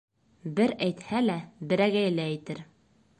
Бер әйтһә лә берәгәйле әйтер.